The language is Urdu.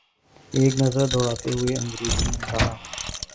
ایک نظر دوڑاتے ہوئے انگریزی میں کہا۔